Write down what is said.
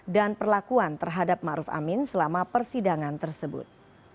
dan perlakuan terhadap ma'ruf amin selama persidangan tersebut